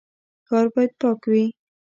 ښار باید پاک وي